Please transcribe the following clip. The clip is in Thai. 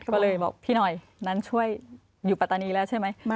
ก็เลยบอกพี่หน่อยนั้นช่วยอยู่ปัตตานีแล้วใช่ไหม